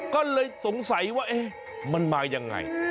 ก็เลยสงสัยว่าเอ๊ะมันมายังไง